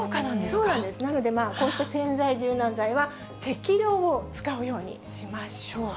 なので、こうした洗剤、柔軟剤は、適量を使うようにしましょう。